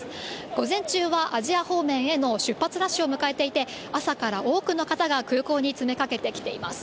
午前中はアジア方面への出発ラッシュを迎えていて、朝から多くの方が空港に詰めかけてきています。